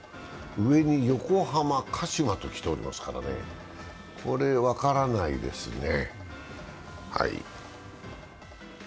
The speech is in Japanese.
上に横浜、鹿島ときておりますから分からないですね。